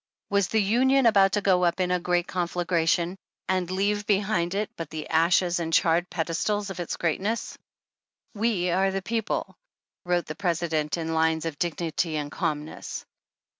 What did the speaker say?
Was the Union about to go up in a great conflagra tion and leave behind it but the ashes and charred pedestals of its greatness ?" We are the people " wrote the President in lines of dignity and calmness.